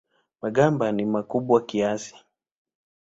Magamba ni makubwa kiasi.